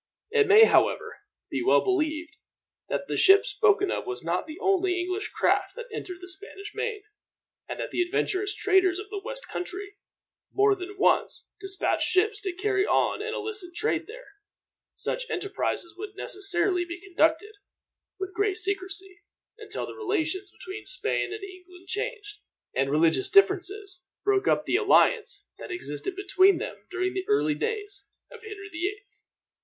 It may, however, be well believed that the ship spoken of was not the only English craft that entered the Spanish main; and that the adventurous traders of the West country, more than once, dispatched ships to carry on an illicit trade there. Such enterprises would necessarily be conducted with great secrecy, until the relations between Spain and England changed, and religious differences broke up the alliance that existed between them during the early days of Henry the 8th. G.